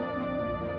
nah bisa belok kiri nih